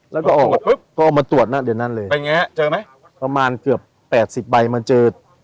แล้วก็ออกก็ออกมาตรวจนั่นเดี๋ยวนั่นเลยเป็นไงเจอไหมประมาณเกือบแปดสิบใบมาเจอ